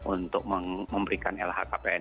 untuk memberikan lhkpn